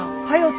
はい。